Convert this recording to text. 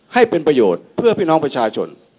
ให้เป็นประโยชน์เพื่อพี่น้องประชาชน